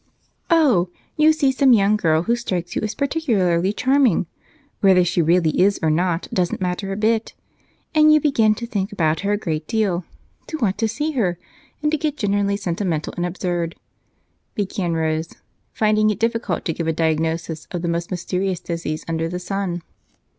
"Oh! You see some young girl who strikes you as particularly charming whether she really is or not doesn't matter a bit and you begin to think about her a great deal, to want to see her, and to get generally sentimental and absurd," began Rose, finding it difficult to give a diagnosis of the most mysterious disease under the sun.